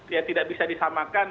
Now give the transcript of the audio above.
ya tidak bisa disamakan